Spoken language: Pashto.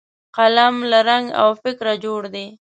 قلم له رنګ او فکره جوړ دی